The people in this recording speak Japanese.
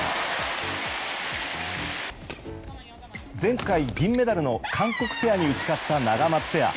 前回銀メダルの韓国ペアに打ち勝ったナガマツペア。